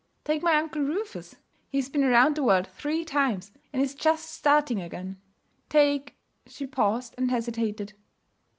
'Take my uncle Rufus. He's been around the world three times, and is just starting again. 'Take ' She paused and hesitated.